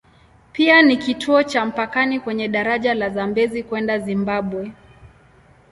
Pia ni kituo cha mpakani kwenye daraja la Zambezi kwenda Zimbabwe.